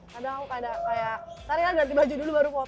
kadang kadang kayak tadi kan ganti baju dulu baru foto